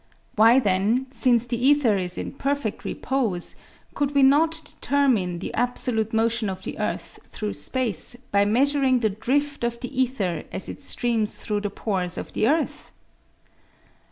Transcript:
Why then, since the ether is in perfect repose, could we not determine the absolute motion of the earth through space by measur THE ECLIPSE OBSERVATIONS €5 ing the drift of the ether as it streams through the pores of the earth?